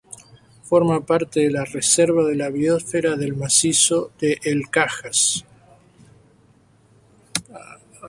Forma parte de la Reserva de la Biosfera del Macizo de El Cajas.